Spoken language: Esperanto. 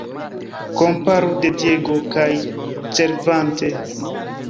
Komparu "De Diego" kaj "Cervantes".